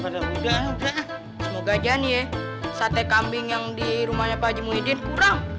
semoga aja nih ya sate kambing yang di rumahnya pak haji muhyiddin kurang